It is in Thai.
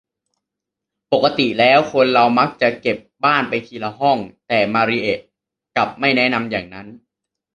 ปกติแล้วคนเรามักจะเก็บบ้านไปทีละห้อง แต่มาริเอะกลับไม่แนะนำอย่างนั้น